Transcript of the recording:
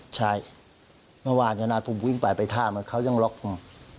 ใช่เมื่อวานอย่างนั้นผมวิ่งไปท่ามเขายังล็อกผม